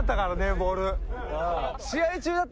ボール。